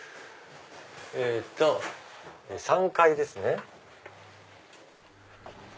えっと３階ですね。